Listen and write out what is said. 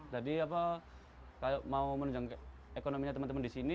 jadi kalau mau menunjang ekonominya teman teman di sini